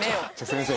先生